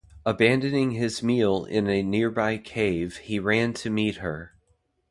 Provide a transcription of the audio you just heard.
Abandoning his meal in a nearby cave, he ran to meet her.